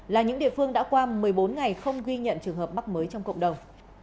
là những địa phương đã qua một mươi bốn ngày không ghi nhận trường hợp mắc mới trong cộng đồng